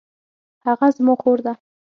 هغه زما خور ده